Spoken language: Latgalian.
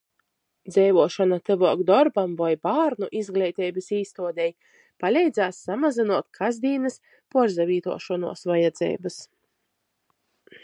Dzeivuošona tyvuok dorbam voi bārnu izgleiteibys īstuodei paleidzēs samazynuot kasdīnys puorsavītuošonys vajadzeibys.